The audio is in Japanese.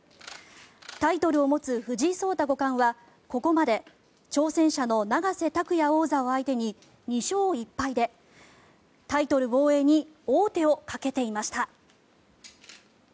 タイトルを持つ藤井聡太五冠はここまで挑戦者の永瀬拓矢王座を相手に２勝１敗で、タイトル防衛に王手をかけていました。